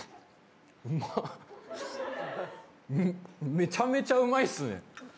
めちゃめちゃうまいっすね。